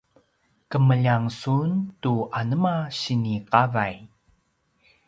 kemeljang sun tu anema sini qavay?